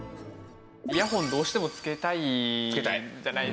イヤホンどうしてもつけたいじゃないですか。